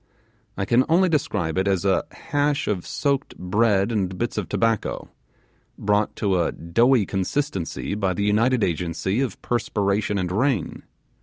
I can only describe it as a hash of soaked bread and bits of tobacco, brought to a doughy consistency by the united agency of perspiration and rain.